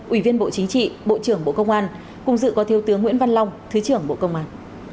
ủy viên bộ chính trị bộ trưởng bộ công an cùng dự có thiếu tướng nguyễn văn long thứ trưởng bộ công an